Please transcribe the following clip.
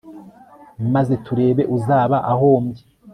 maze turebe uzaba ahombye